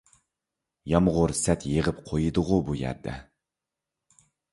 يامغۇر سەت يېغىپ قويدىغۇ بۇ يەردە.